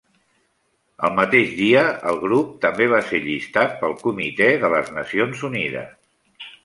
El mateix dia, el grup també va ser llistat pel Comitè de les Nacions Unides.